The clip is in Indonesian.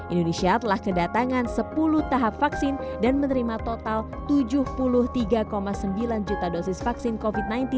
indonesia telah kedatangan sepuluh tahap vaksin dan menerima total tujuh puluh tiga sembilan juta dosis vaksin covid sembilan belas